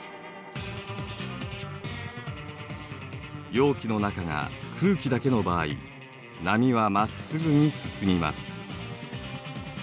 容器の中が空気だけの場合波はまっすぐに進みます。